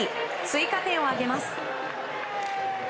追加点を挙げます。